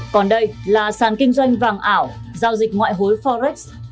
còn đây là sàn kinh doanh vàng ảo giao dịch ngoại hối forex